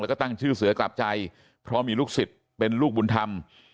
แล้วก็ตั้งชื่อเฌียบใจพอมีลูกศิลป์เป็นลูกบุญธรรม